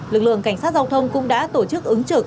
lực lượng cảnh sát giao thông cũng đã tổ chức ứng trực